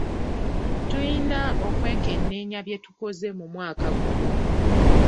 Tuyina okwekenneenya bye tukoze mu mwaka guno.